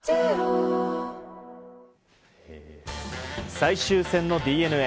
最終戦のＤｅＮＡ。